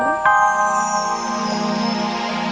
kalau belamat alah